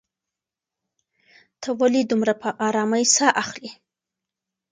ته ولې دومره په ارامۍ ساه اخلې؟